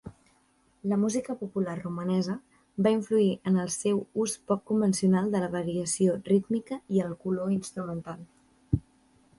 La música popular romanesa va influir en el seu ús poc convencional de la variació rítmica i el color instrumental.